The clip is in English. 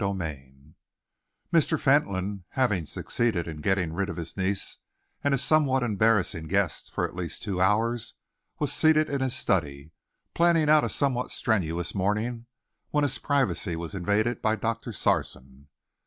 CHAPTER XVII Mr. Fentolin, having succeeded in getting rid of his niece and his somewhat embarrassing guest for at least two hours, was seated in his study, planning out a somewhat strenuous morning, when his privacy was invaded by Doctor Sarson.